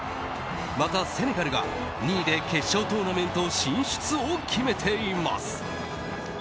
また、セネガルが２位で決勝トーナメント進出を決めています。